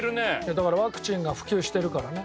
だからワクチンが普及してるからね。